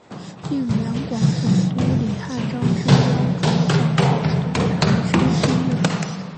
应两广总督李瀚章之邀主讲广东韩山书院。